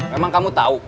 memang kamu tau